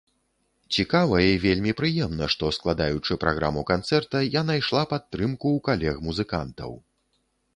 Цікава і вельмі прыемна, што, складаючы праграму канцэрта, я найшла падтрымку ў калег-музыкантаў.